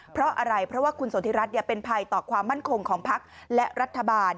เพราะอะไรเพราะว่าคุณสนทิรัฐเป็นภัยต่อความมั่นคงของพักและรัฐบาล